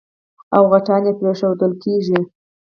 او غټان يې پرېښوول کېږي.